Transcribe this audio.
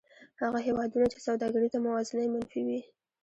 هغه هېوادونه چې سوداګریزه موازنه یې منفي وي